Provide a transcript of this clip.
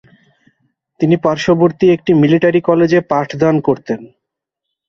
তিনি পার্শ্ববর্তী একটি মিলিটারী কলেজে পাঠদান করতেন।